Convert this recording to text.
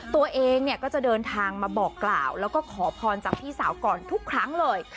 ตัวเองเนี่ยก็จะเดินทางมาบอกกล่าวแล้วก็ขอพรจากพี่สาวก่อนทุกครั้งเลย